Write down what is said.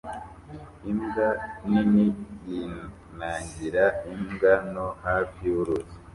imbwa nini yinangira imbwa nto hafi yuruzi